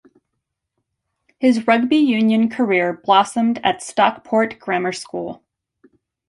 His rugby union career blossomed at Stockport Grammar School.